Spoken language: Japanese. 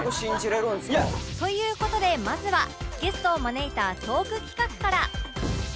という事でまずはゲストを招いたトーク企画から